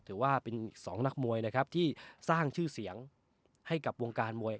ถือว่าเป็นอีกสองนักมวยนะครับที่สร้างชื่อเสียงให้กับวงการมวย